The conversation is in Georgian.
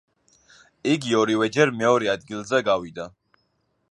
იგი ორივეჯერ მეორე ადგილზე გავიდა.